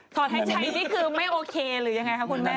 อดให้ใช้นี่คือไม่โอเคหรือยังไงคะคุณแม่